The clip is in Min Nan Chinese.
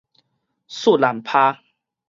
欶膦脬